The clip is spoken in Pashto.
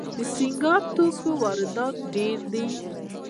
د سینګار توکو واردات ډیر دي